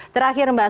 saya ingin menanyakan